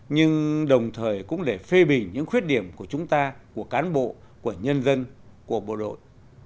nhưng đồng thời cũng để phê bình những khuyết điểm của chúng ta của cán bộ của nhân dân của bộ đội